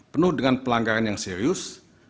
penuh dengan pelanggaran yang serius